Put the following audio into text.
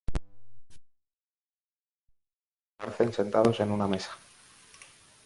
En primer lugar, los participantes aparecen sentados en una mesa.